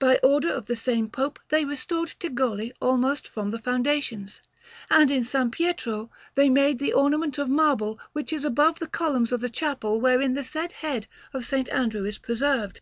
By order of the same Pope they restored Tigoli almost from the foundations; and in S. Pietro they made the ornament of marble that is above the columns of the chapel wherein the said head of S. Andrew is preserved.